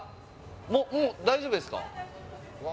もうもう大丈夫ですか？